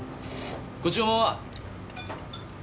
ご注文は？